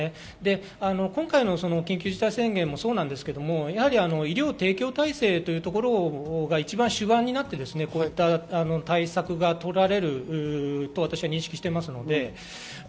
今回、緊急事態宣言もそうですが、医療提供体制というところが一番シワになってこういった対策が取られると認識しています。